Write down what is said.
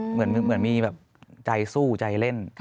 เหมือนมีแบบใจสู้ใจเล่น